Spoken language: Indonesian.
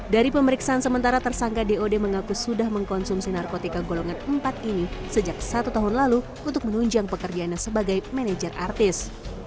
dari pemeriksaan sementara tersangka dod mengaku sudah mengkonsumsi narkotika golongan empat ini sejak satu tahun lalu untuk menunjang pekerjaannya sebagai manajer artis